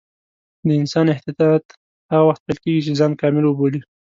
د انسان انحطاط هغه وخت پیل کېږي چې ځان کامل وبولي.